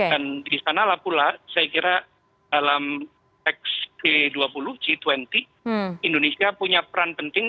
dan disanalah pula saya kira dalam teks g dua puluh indonesia punya peran penting